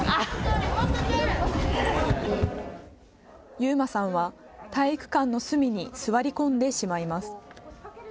勇馬さんは体育館の隅に座り込んでしまいます。